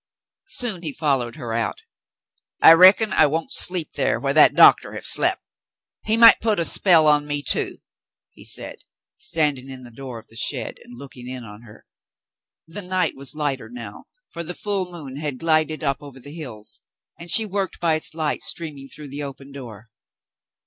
Soon he followed her out. "I reckon I won't sleep thar whar that doctah have slep'. He might put a spell on me, too," he said, standing in the door of the shed and looking in on her. The night was lighter now, for the full moon had glided up over the hills, and she worked by its light streaming though the open door.